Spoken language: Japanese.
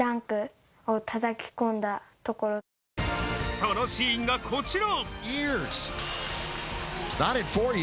そのシーンがこちら。